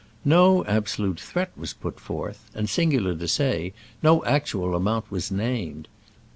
No absolute threat was put forth, and, singular to say, no actual amount was named.